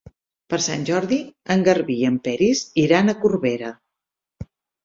Per Sant Jordi en Garbí i en Peris iran a Corbera.